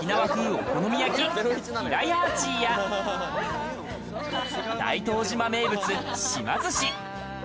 お好み焼きヒラヤーチや大東島名物、島ずし。